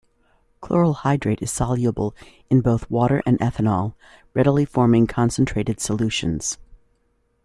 Chloral hydrate is soluble in both water and ethanol, readily forming concentrated solutions.